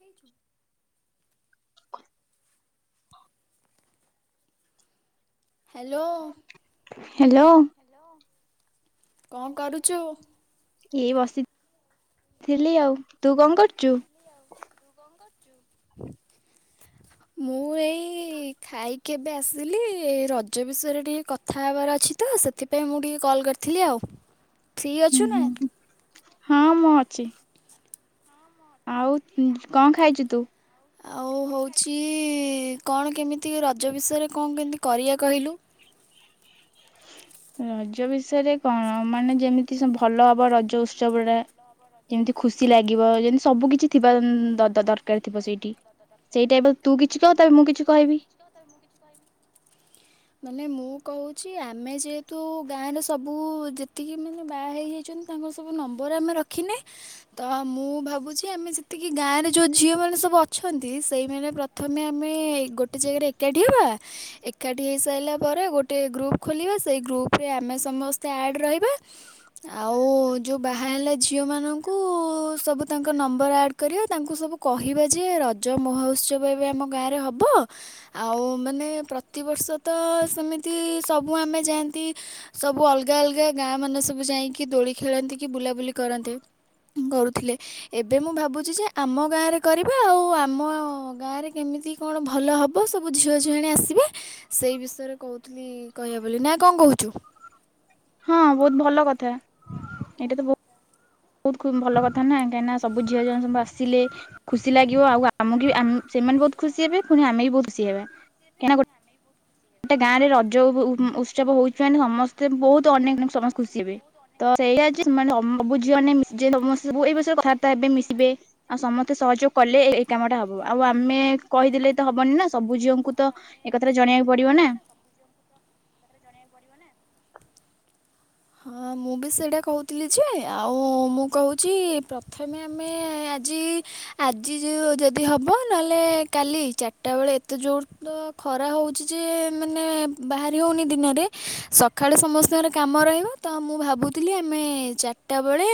ହେଇଛୁ। [inaudible] Hello hello hello. କଣ କରୁଛୁ? ଏଇ ବସି ଥିଲି ଆଉ ତୁ କଣ କରୁଛୁ? ଚୁ। ମୁଁ ଏଇ ଖାଇକି ଏବେ ଆସିଲି ରଜ ବିଷୟରେ ଟିକେ କଥା ହେବାର ଅଛି ତ ସେଥିପାଇଁ ମୁଁ ଟିକେ କଲ୍ କରିଥିଲି ଆଉ। ଫ୍ରି ହୁଁ ଅଛୁ ନା? ହୁଁ। ହଁ ମୁଁ ଅଛି। ଆଉ କଣ ଖାଇଚୁ ତୁ? ଆଉ ହଉଛି କଣ କେମିତି ରଜ ବିଷୟରେ କଣ କେମିତି କରିବା କହିଲୁ? ରଜ ବିଷୟରେ କଣ ମାନେ ଯେମିତି ଭଲ ହବ ରଜ ଉତ୍ସବ ଟା ଯେମିତି ଖୁସି ଲାଗିବ ଯେମିତି ସବୁ କିଛି ଥିବା ଦରକାର ଥିବ ସେଇଠି ସେଇ ଟାଇପ ତୁ କିଛି କହ ତାପରେ ମୁଁ କିଛି କହିବି। ମାନେ ମୁଁ କହୁଛି ଆମେ ଯେହେତୁ ଗାଁର ସବୁ ଯେତିକି ମାନେ ବାହା ହେଇଯାଇଛନ୍ତି ତାଙ୍କର ସବୁ ନମ୍ବର ଆମେ ରଖିନେ ତ ମୁଁ ଭାବୁଛି ଆମେ ଯେତିକି ଗାଁରେ ଯୋଉ ଝିଅ ମାନେ ସବୁ ଅଛନ୍ତି ସେଇମାନେ ପ୍ରଥମେ ଆମେ ଗୋଟେ ଜାଗାରେ ଏକାଠି ହେବା ଏକାଠି ହେଇସାରିଲା ପରେ ଗୋଟେ ଗ୍ରୁପ ଖୋଲିବା ସେଇ ଗ୍ରୁପରେ ଆମେ ସମସ୍ତେ ଆଡ଼୍ ରହିବା ଆଉ ଯୋଉ ବାହା ହେଲା ଝିଅମାନଙ୍କୁ ସବୁ ତାଙ୍କ ନମ୍ବର ଆଡ଼୍ କରିବା ତାଙ୍କୁ ସବୁ କହିବା ଯେ ରଜ ମହୋତ୍ସବ ଏବେ ଆମ ଗାଁରେ ହେବ ଆଉ ମାନେ ପ୍ରତିବର୍ଷ ତ ସେମିତି ସବୁ ଆମେ ଯାଆନ୍ତି ସବୁ ଅଲଗା ଅଲଗା ଗାଁ ମାନେ ସବୁ ଯାଇକି ଦୋଳି ଖେଳାନ୍ତି କି ବୁଲାବୁଲି କରାନ୍ତେ କରୁଥିଲେ ଏବେ ମୁଁ ଭାବୁଛି ଯେ ଆମ ଗାଁରେ କରିବା ଆଉ ଆମ ଗାଁରେ କେମିତି କଣ ଭଲ ହବ ହ ସବୁ ଝିଅ ଝୁଆଣି ଆସିବେ ସେଇ ବିଷୟରେ କହୁଥିଲି କହିବା ବୋଲି ନା କଣ କହୁଛୁ? ହଁ ବହୁତ ଭଲ କଥା ଏଇଟା ତ ବହୁତ। ବହୁତ ଭଲ କଥା ନା କାହିଁକିନା ସବୁ ଝିଅ ଜଣ ସବୁ ଆସିଲେ ଖୁସି ଲାଗିବ ଆଉ ଆମକୁ ଆମ ସେମାନେ ବହୁତ ଖୁସି ହେବେ ପୁଣି ଆମେ ବି ବହୁତ ଖୁସି ହେବା କାହିଁକି ନା ଗୋଟେ ଗାଁ ରେ ରଜ ଉତ୍ସବ ହଉଛି ମାନେ ସମସ୍ତେ ବହୁତ ଅନେକ ସମସ୍ତେ ଖୁସି ହେବେ ତ ସେଇ ସବୁଝିଅ ସମସ୍ତେ ଏ ବିଷୟରେ କଥାବାର୍ତ୍ତା ଏବେ ମିଶିବେ ଆଉ ସମସ୍ତେ ସହଯୋଗ କଲେ ଏଇ କାମଟା ହବ ଆଉ ଆମେ କହିଦେଲେ। ତ ହବନି ନା ସବୁଝିଅଙ୍କୁ ତ ଏକଥା ଜଣେଇକୁ ପଡ଼ିବ ନା। ହଁ ମୁଁ ବି ସେଇଟା କହୁଥିଲି ଯେ ଆଉ ମୁଁ କହୁଛି ପ୍ରଥମେ ଆମେ ଆଜି ଆଜି ଯେଉ ଯଦି ହେବ ନହେଲେ କାଲି ଚାରିଟା ବେଳେ ଏତେ ଜୋର ତ ଖରା ହେଉଛି ଯେ ମାନେ ବାହାରି ହେଉନି ଦିନରେ ସକାଳେୁ ସମସ୍ତଙ୍କର କାମ ରହିବ। ତ ମୁଁ ଭାବୁଥିଲି ଆମେ ଚାରିଟା ବେଳେ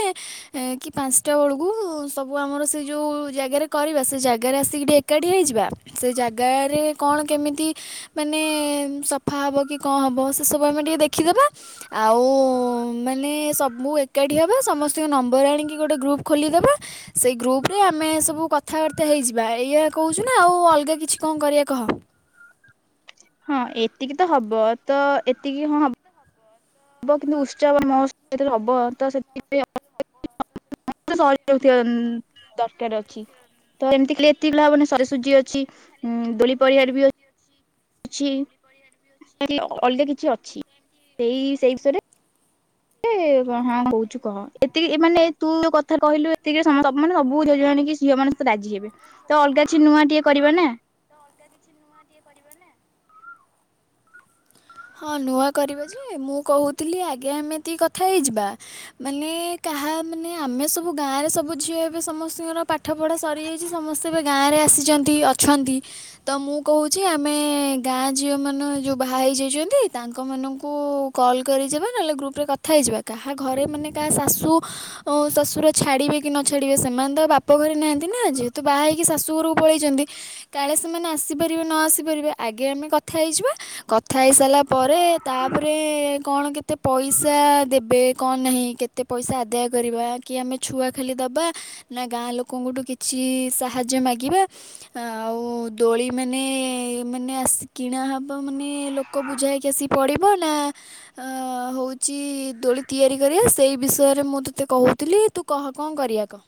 କି ପାଞ୍ଚଟା ବେଳକୁ ସବୁ ଆମର ସେ ଯେଉଁ ଜାଗାରେ କରିବା ସେ ଜାଗାରେ ଆସିକି ଟିକେ ଏକାଠି ହେଇଯିବା ସେ ଜାଗାରେ କଣ କେମିତି ମାନେ ସଫା ହେବ କି କଣ ହେବ ସେସବୁ ଆମେ ଟିକେ ଦେଖିଦେବା ଆଉ। ଓ ମାନେ ସବୁ ଏକାଠି ହେବା ସମସ୍ତଙ୍କ ନମ୍ବର ଆଣିକି ଗୋଟେ ଗ୍ରୁପ୍ ଖୋଲିଦେବା ସେଇ ଗ୍ରୁପରେ ଆମେ ସବୁ କଥାବାର୍ତ୍ତା ହେଇଯିବା ଏଇଆ କହୁଛୁ ନା ଆଉ ଅଲଗା କିଛି କଣ କରିବା କହ। ହଁ ଏତିକି ତ ହବ ତ ଏତିକି ହଁ ହବ। ହବ କିନ୍ତୁ ଉତ୍ସାହ ବା ମହୋତ୍ସବ ତ ସେଥିାଇଁ ସହ [inaudible] ଅ ତ ଏମିତି କ [inaudible] ତିଲାାବାନେ ସରିସୁଜି ଅଛି ଉଁ [inaudible] ଦୋଳି ପଡ଼ିିବାର ବି ଅଛି। ଅଲଗା କିଛି ଅଛି ସେଇ ସେ ବିଷୟରେ ଏତେ କଣ ହଉଛୁ କହ ଏତିକି ମାନେ ତୁ କଥ କହିଲୁ ଏତିକି ମାନେ ସବୁ ଜାଣିକି ଝିଅ ମାନେ ରାଜି ହେବେ ତ ଅଲଗା କିଛି ନୂଆ ଟିକେ କରିବା ନା ଅଲଗା କିଛି ନୂଆ ଟେ କରିବା ନା। ହଁ ନୂଆ କରିବା ଯେ ମୁଁ କହୁଥିଲି ଆଗେ ଏମିତି କଥା ହେଇଯିବା ମାନେ କାହା ମାନେ ଆମେ ସବୁ ଗାଁରେ ସବୁ ଝିଅ ଏବେ ସମସ୍ତଙ୍କର ପାଠପଢ଼ା ସରିଯାଇଛି ସମସ୍ତେ ଏବେ ଗାଁରେ ଆସିଛନ୍ତି ଅଛନ୍ତି ତ ମୁଁ କହୁଛି ଆମେ ଗାଁ ଝିଅ ମାନେ ଯେଉଁ ବାହା ହେଇଯାଇଛନ୍ତି। ତାଙ୍କ ମନଙ୍କୁ କଲ୍ କରିଯିବା ନହେଲେ ଗ୍ରୁପରେ କଥା ହେଇଯିବା କାହା ଘରେ ମାନେ କାହା ଶାଶୁ ଶଶୁର ଛାଡ଼ିବେ କି ନ ଛାଡ଼ିବେ ସେମାନେ ତ ବାପ ଘରେ ନାହାନ୍ତି ନା ଯେହେତୁ ବାହା ହେଇକି ଶାଶୁ ଘରକୁ ପଳେଇଛନ୍ତି କାଳେ ସେମାନେ ଆସିପାରିବେ ନ ଆସିପାରିବେ ଆଗେ ଆମେ କଥା ହେଇଯିବା କଥା ହେଇସାରିଲା। ପରେ ତାପରେ କଣ କେତେ ପଇସା ଦେବେ କଣ ନାହିଁ? କେତେ ପଇସା ଆଦାୟ କରିବା କି ଆମେ ଛୁଆ ଖାଲି ଦେବା ନା ଗାଁ ଲୋକଙ୍କଠୁ କିଛି ସାହାଯ୍ୟ ମାଗିବା ଆଉ ଦୋଳି ମାନେ ମାନେ ଆସି କିଣା ହେବା ମାନେ ଲୋକ ବୁଝାଇ କି ସିକି ପଡ଼ିବ ନା ହଉଛି ଦୋଳି ତିଆରି କରିବା ସେଇ ବିଷୟରେ ମୁଁ ତୋତେ କହୁଥିଲି ତୁ କହ କଣ କରିବା କହ?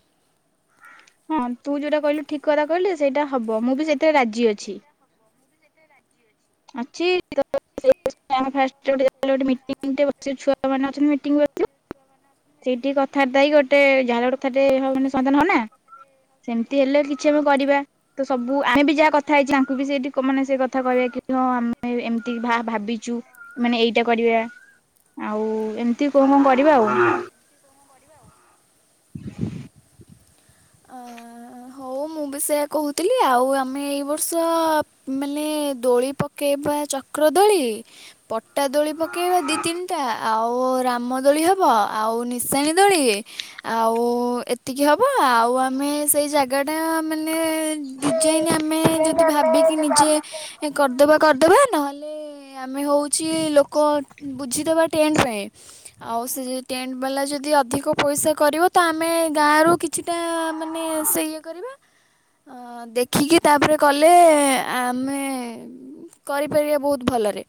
ହଁ ତୁ ଯୋଉଟା କହିଲୁ ଠିକ କଥା କହିଲୁ ସେଇଟା ହବ ମୁଁ ବି ସେଇଥିରେ ରାଜି ଅଛି। ମି ଛୁଆ ମାନେ ଅଛନ୍ତି ମି ସେଇଠି କଥା ଯ ଗୋଟେ ଯାହା ଗୋଟୋନେ ସଧାନ ହବନା ସେମିତି ହେଲେ କିଛି ଆମେ କରିବା ତ ସବୁ ଆମେ ବି ଯାହା କଥା ହେଇଛି ଆଙ୍କୁ ବି ସେଇଠି ମାନେ ସେ କଥା କହିବା [inaudible] ହଁ ଆମେ ଏମିତି ଭା ଭାବିଛୁ ମାନେ ଏଇଟା କରିବା ଆଉ ଏମିତି କଣ କଣ କରିବା ଆଉ? [inaudible] ଆ ହଉ ମୁଁ ବି ସେୟା କହୁଥିଲି ଆଉ ଆମେ ଏଇ ବର୍ଷ ମାନେ ଦୋଳି ପକେଇବା ଚକ୍ର ଦୋଳି ପ ଟା ଦୋଳି ପକେଇବା ଦି ତିନିଟା ଆଉ ରାମଦୋଳି ହେବ। ଆଉ ନିଶେଣି ଦୋଳି ଆଉ ଏତିକି ହବ ଆଉ। ଆମେ ସେଇ ଜାଗା ଟା ମାନେ ଡିଜାଇନ୍ ଆମେ ଯଦି ଭାବିକି ନିଜେ କରିଦେବା କରିଦେବା ନହେଲେ ଆମେ ହେଉଛି ଲୋକ ବୁଝିଦେବା ଟେଣ୍ଟ ପାଇଁ ଆଉ ସେ ଟେଣ୍ଟ ବାଲା ଯଦି ଅଧିକ ପଇସା କରିବ ତ ଆମେ ଗାଁରୁ କିଛିଟା ମାନେ ସେ ଇଏ କରିବା। ଦେଖିକି ତାପରେ କଲେ ଆମେ କରିପାରିବା ବହୁତ ଭଲରେ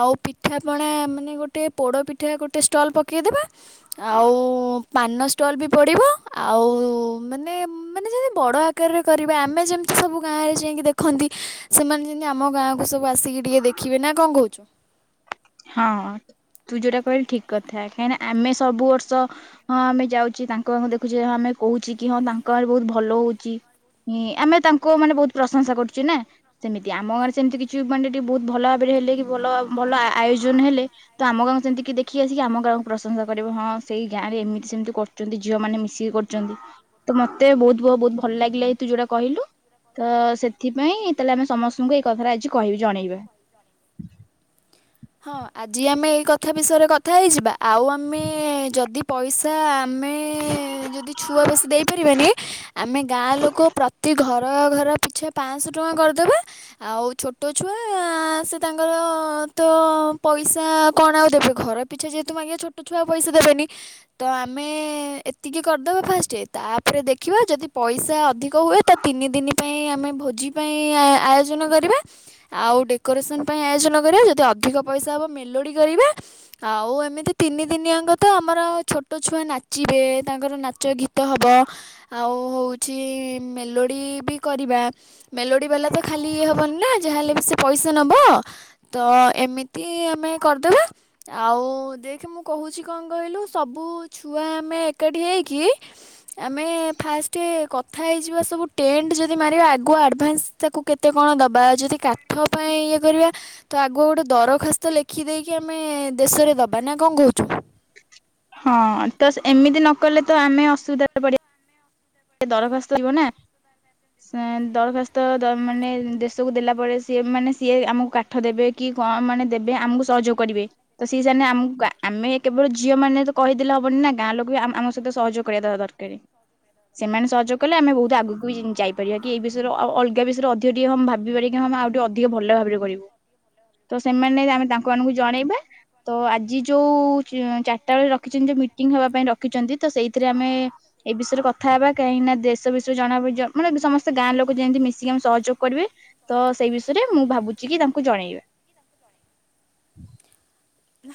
ଆଉ ପିଠାପଣା ମାନେ ଗୋଟେ ପୋଡ଼ ପିଠା ଗୋଟେ ଷ୍ଟଲ୍ ପକେଇଦେବା। ଆଉ। ପାନ ଷ୍ଟଲ୍ ବି ପଡ଼ିବ ଆଉ। ମାନେ ମାନେ ଯେମିତି ବଡ଼ ଆକାରରେ କରିବା ଆମେ ଯେମିତି ସବୁ ଗାଁରେ ଯାଇକି ଦେଖନ୍ତି ସେମାନେ ଯେମିତି ଆମ ଗାଁକୁ ସବୁ ବୁ ଆସିକି ଟିକେ ଦେଖିବେ ନା କଣ କହୁଛୁ? ହଁ ତୁ ଯୋଉଟା କହିଲୁ ଠିକ୍ କଥା କାହିଁକିନା ଆମେ ସବୁ ବର୍ଷ ହଁ ଆମେ ଯାଉଛେ ତାଙ୍କ ଦେଖୁଛେ ଆମେ କହୁଛେ କି ହଁ ତାଙ୍କ ଆରେ ବହୁତ ଭଲ ହଉଛି ଆମେ ତାଙ୍କ ମାନେ ବହୁତ ପ୍ରଶଂସା କରୁଚେ ନା ସେମିତି ଆମ ଗାଁରେ ସେମିତି କିଛି ମାନେ ଟିକେ ବହୁତ ଭଲ ଭାବରେ ହେଲେ କି ଭଲ ଭଲ ଆୟୋଜନ ହେଲେ ତ ଆମ ଗାଁକୁ ସେନ୍ତି କିଏ ଦେଖି ଆସିକି ଆମ ଗାଁକୁ ପ୍ରଶଂସା କରିବ ହଁ ସେଇ ଗାଁରେ ଏମିତି ସେମିତି କରୁଛନ୍ତି ଝିଅମାନେ ମିଶିକି କରୁଛନ୍ତି ତ ମୋତେ ବହୁତ ବହୁତ ଭଲ ଲାଗିଲା ଏ ତୁ ଯୋଉଟା କହିଲୁ ତ ସେଥିପାଇଁ ତାହେଲେ ଆମେ ସମସ୍ତଙ୍କୁ ଏଇ କଥାଟା ଆଜି କହିବି ଜଣେଇବା। ହଁ ଆଜି ଆମେ ଏଇ କଥା ବିଷୟରେ କଥା ହେଇଯିବା। ଆଉ ଆମେ ଯଦି ପଇସା ଆମେ ଯଦି ଛୁଆ ବେଶୀ ଦେଇପାରିବେନି ଆମେ ଗାଁ ଲୋକ ପ୍ରତି ଘର ର ଘର ପିଛେ ପାଞ୍ଚଶହ ଟଙ୍କା କରିଦବା ଆଉ ଛୋଟ ଛୁଆ ସେ ତାଙ୍କର ତ ପଇସା କଣ ଆଉ ଦେବେ ଘର ପିଛା ଯେହେତୁ ଆଜ୍ଞା ଛୋଟ ଛୁଆ ପଇସା ଦେବେନି ତ ଆମେ ଏତିକି କରିଦବା ଫାଷ୍ଟ ତାପରେ ଦେଖିବା ଯଦି ପଇସା ଅଧିକ ହୁଏ ତ ତିନିଦିନ ପାଇଁ ଆମେ ଭୋଜି ପାଇଁ ଆୟୋଜନ କରିବା ଆଉ ଡେକୋରେସନ ପାଇଁ ଆୟୋଜନ କରିବା ଯ ଦି ଅଧିକ ପଇସା ହବ ମେଲୋଡି କରିବା ଆଉ ଏମିତି ତିନି ଦିନିଆଙ୍କ ତ ଆମର ଛୋଟ ଛୁଆ ନାଚିବେ। ତାଙ୍କର ନାଚ ଗୀତ ହବ ଆଉ ହଉଛି ମେଲୋଡି ବି କରିବା। ମେଲୋଡି ବାଲା ତ ଖାଲି ଇଏ ହବନି ନା ଯାହା ହେଲେ ବି ସେ ପଇସା ତ ନବ। ତ ଏମିତି ଆମେ କରିଦବା ଆଉ ଦେଖେ ମୁଁ କହୁଛି କଣ କହିଲୁ ସବୁ ଛୁଆ ଆମେ ଏକାଠି ହେଇକି ଆମେ ଫାଷ୍ଟ କଥା ହେଇଯିବା ସବୁ ଟେଣ୍ଟ ଯଦି ମାରିବା ଆଗୁଆ ଆଡଭାନ୍ସ ତାକୁ କେତେ କଣ ଦବା ଯଦି କାଠ ପାଇଁ ଇଏ କରିବା ତ ଆଗ ଗୋଟେ ଦରଖାସ୍ତ ଲେଖିଦେଇକି ଆମେ ଦେଶରେ ଦେବା ନା କଣ କହୁଛୁ। ହଁ ତ ଏମିତି ନକଲେ ତ ଆମେ ଅସୁବିଧାରେ ପଡିଆ ସେ ଦରଖାସ୍ତ ଯିବ ନା ଦରଖାସ୍ତ ମାନେ ଦେଶକୁ ଦେଲା ପରେ ସିଏ ମାନେ ସିଏ ଆମକୁ କାଠ ଦେବେ କି କଣ ମାନେ ଦେବେ ଆମକୁ ସହଯୋଗ କରିବେ ତ ସିଏ ସେମାନେ ଆମକୁ ଆମେ କେବଳ ଝିଅମାନେ ତ କହିଦେଲେ ହବନି ନା ଗାଁ ଲୋକ ବି ଆମ ସହିତ ସହଯୋଗ କରିବା ଦ ଦରକାର। ସେମାନେ ସହଯୋଗ କଲେ ଆମେ ବହୁତ ଆଗୁକୁ ବି ଯାଇପାରିବା କି ଏଇ ବିଷୟରେ ଅଲଗା ବିଷୟରେ ଅଧିକ ଟିକେ ଭାବିପାରିବା କି ହଁ ଆମେ ଆଉ ଟିକେ ଅଧିକ ଭଲ ଭାବରେ କରିବୁ ତ ସେମାନେ ଆମେ ତାଙ୍କ ମାନଙ୍କୁ ଜଣେଇବା ତ ଆଜି ଯୋଉ ଚାରିଟା ବେଳେ ରଖିଛନ୍ତି ଯୋଉ ମିଟିଂ ହବା ପାଇଁ ରଖିଛନ୍ତି ତ ସେଇଥିରେ ଆମେ ଏ ବିଷୟରେ କଥା ହେବା କାହିଁକି ନା ଦେଶ ବିଷୟରେ ଜଣା ମାନେ ସମସ୍ତେ ଗାଁ ଲୋକ ଯେମିତି ମିଶିକି ଆମେ ସହଯୋଗ କରିବେ ତ ସେଇ ବିଷୟରେ ମୁଁ ଭାବୁଛି କି ତାଙ୍କୁ ଜଣେଇବା।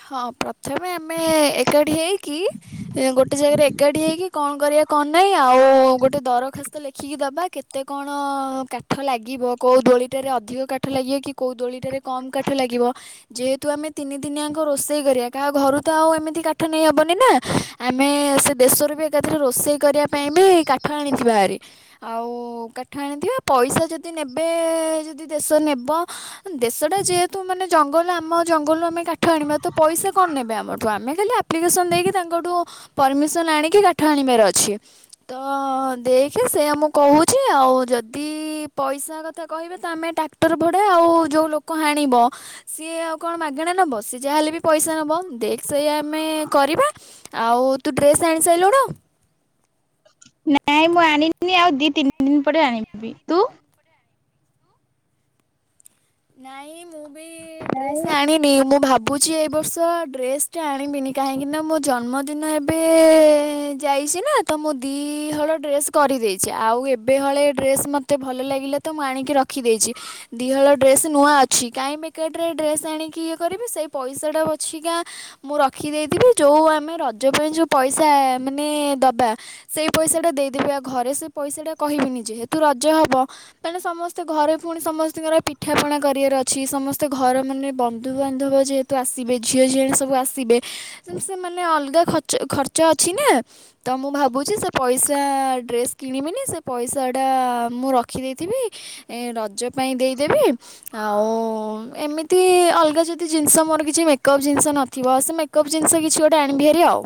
ହଁ ପ୍ର ଥାପି ଆମେ ଏକାଠି ହେଇକି ଗୋଟେ ଜାଗାରେ ଏକାଠି ହେଇକି କଣ କରିଆ ନାଇଁ ଆଉ ଗୋଟେ ଦରଖାସ୍ତ ଲେଖିକି ଦବା। କେତେ କଣ କାଠ ଲାଗିବ କୋଉ ଦୋଳିଟାରେ ଅଧିକ କାଠ ଲାଗିବ କି କୋଉ ଦୋଳିଟାରେ କମ୍ କାଠ ଲାଗିବ ଯେହେତୁ ଆମେ ତିନିଦିନ ଆଙ୍କ ରୋଷେଇ କରିଆ କାହା ଘରୁ ତ ଆଉ ଏମିତି କାଠ ନେଇହବନି ନା ଆମେ ସେ ଦେଶରୁ ବି ଏକାଥରେ ରୋଷେଇ କରିଆ ପାଇଁ ବି କାଠ ଆଣିଥିବା ଭାରି। ଆଉ କାଠ ଆଣିଥିବା ପଇସା ଯଦି ନେବେ ଯଦି ଦେଶ ନେବ ଦେଶ ଟା ଯେହେତୁ ମାନେ ଜଙ୍ଗଲ ଆମ ଜଙ୍ଗଲରୁ ଆମେ କା ଠ ଆଣିବା ତ ପଇସା କଣ ନେବେ ଆମଠୁ ଆମେ ଖାଲି ଆପ୍ଲିକେସନ ଦେଇକି ତାଙ୍କଠୁ ପରମିଶନ୍ ଆଣିକି କାଠ ଆଣିବାର ଅଛି ତ ଦେଖେ ସେଇଆ ମୁଁ କହୁଛି ଆଉ ଯଦି ପଇସା କଥା କହିବେ ତ ଆମେ ଟ୍ରାକ୍ଟର ଭଡା ଆଉ ଯୋଉ ଲୋକ ହାଣିବ ସିଏ ଆଉ କଣ ମାଗେଣା ନେବ ଯାହା ହେଲେ ବି ପଇସା ନେବ ଦେ ସେଇଆ ଆମେ କରିବା ଆଉ ତୁ ଡ୍ରେସ୍ ଆଣି ସାଇଲୁଣୁ? ନାଇଁ ମୁଁ ଆଣିନି ଆଉ ଦି ତିନି ଦିନ ପରେ ଆଣିବି ତୁ ନାଇଁ ମୁଁ ମୁ ଡ୍ରେସ ହଁ ଆଣିନି ମୁଁ ଭାବୁ ଭାବୁଛି ଏ ବର୍ଷ ଡ୍ରେସ୍ଟେ ଆଣିବିନି କାହିଁକିନା ମୋ ଜନ୍ମଦିନ ଏବେ ଯାଇଛି ନା। ତ ମୁଁ ଦିଇହଳ ଡ୍ରେସ୍ କରିଦେଇଛି ଆଉ ଏବେ ହଳେ ଡ୍ରେସ୍ ମୋତେ ଭଲ ଲାଗିଲା ତ ମୁଁ ଆଣିକି ରଖିଦେଇଛି। ଦିହଳ ଡ୍ରେସ୍ ନୂଆ ଅଛି। କାହିଁ ବେକାରଟାରେ ଡ୍ରେସ୍ ଆଣିକି ଇଏ କରିବି ସେଇ ପଇସାଟା ଅଛି କା ମୁଁ ରଖିଦେଇଥିବି ଯେଉଁ ଆମେ ରଜ ପାଇଁ ଯେଉଁ ପଇସା ମାନେ ଦବା ସେଇ ପଇସାଟା ଦେଇଦେବି ଆଉ ଘରେ ସେ ପଇସାଟା କହିବିନି ଯେହେତୁ ରଜ ହେବ ତାେଲେ ସମସ୍ତେ ଘରେ ପୁଣି ସମସ୍ତଙ୍କର ପି ପଠାପଣା କରିବାର ଅଛି ସମସ୍ତେ ଘର ମାନେ ବନ୍ଧୁବାନ୍ଧବ ଯେହେତୁ ଆସିବେ ଝିଅ ଝିଅଣି ସବୁ ଆସିବେ ସେମାନେ ଅଲଗାଚ ଖର୍ଚ୍ଚ ଅଛି ନା ତ ମୁଁ ଭାବୁଛି ସେ ପଇସା ଡ୍ରେସ୍ କିଣିବିନି ସେ ପଇସାଟା ମୁଁ ରଖିଦେଇଥିବି ରଜ ପାଇଁ ଦେଇ ଦେବି ଆଉ ଏମିତି ଅଲଗା ଯଦି ଜିନିଷ ମୋର କିଛି ମେକଅପ୍ ଜିନିଷ ନଥିବ ସେ ମେକଅପ୍ ଜିନିଷ କିଛି ଗୋଟେ ଆଣିବି ହୋର ଆଉ।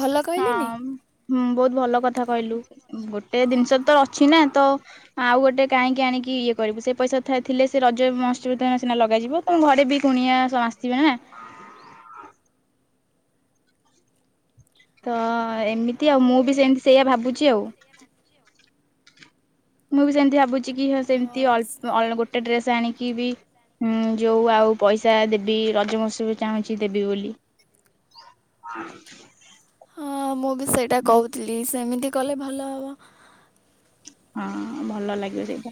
ଭଲ କହିଲିନି ହଁ ବହୁତ ଭଲ କଥା କହିଲୁ। ଗୋଟେ ଜିନିଷ ତ ଅଛି ନା ତ ଆଉ ଗୋଟେ କାହିଁକି ଆଣିକି ଇଏ କରିବୁ ସେ ପଇସା ଥା ଥିଲେ ସେ ରଜ ମସବ ସିନା ଲଗାଯିବ ତମ ଘରେ ବି କୁଣିଆ ସବ ଆସିବେ ନା ତ ହଁ ଏମିତି ଆଉ ଆଉଁ ବି ସେମିତି ସେଇଆ ଭାବୁଛି ଆଉ ମୁଁ ବି ସେମିତି ଭାବୁଛି କି ସେମିତି ଅ ହଁ ଅ ଗୋଟେ ଡ୍ରେସ ଆଣିକି ବି ହଁ ଯୋଉ ଆଉ ପଇସା ଦେବି ରଜମତ୍ସବ ଚାହୁଁଛି ଦେବି ବୋଲି ହଁ ମୁଁ ବି ସେଇଟା କହୁଥିଲି ସେମିତି କଲେ ଭଲ ହେବ। ହଁ ଭଲ ଲାଗିବ ସେଇଟା।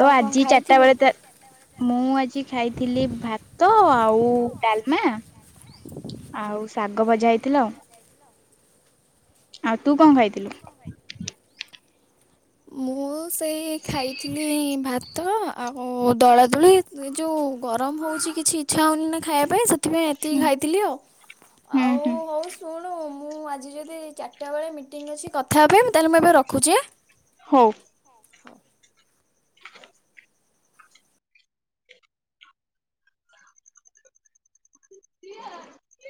ତ କଣ ଆଜି ଚାରିଟା ଖାଇଥିଲୁ? ବେଳେ ମୁଁ ଆଜି ଖାଇଥିଲି ଭାତ ଆଉ ଡାଲମା ଆଉ ଶାଗ ଆଗ ବଜା ହେଇଥିଲା ଆଉ। ଆଉ ତୁ କଣ ଖାଇଥିଲୁ? ମୁଁଁ ସେଇ ଖାଇଥିଲି ଭାତ ଆଉ ଦଳା ଦୋଳି ଏ ଯେଉଁ ଗରମ ହେଉଛି କିଛି ଇଚ୍ଛା ହେଉନି ନା ଖାଇବା ପାଇଁ ସେଥିପାଇଁ ଏତିକି ହୁଁ ଖାଇଥିଲି ଆଉ ହୁଁ ଆଉ ହୁଁ ହଉ ଶୁଣୁ ମୁଁ ଆଜି ଯଦି ଚାରିଟା ବେଳେ ମିଟିଂ ଅଛି କଥା ହେବେ ତାହେଲେ ମୁଁ ଏବେ ରଖୁଛି ଆଁ। ହଉ। ହଉ। ସେ